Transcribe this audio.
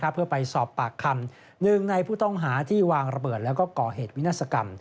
เพื่อไปสอบปากคำหนึ่งในผู้ต้องหาที่วางระเบิดแล้วก็ก่อเหตุวินาศกรรม